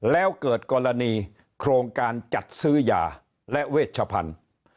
แล้วเกิดกรณีโครงการจัดซื้อยาและเวชพันธุ์